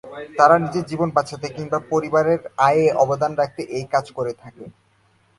তারা নিজের জীবন বাঁচাতে কিংবা পরিবারের আয়ে অবদান রাখতে এই কাজ করে থাকে।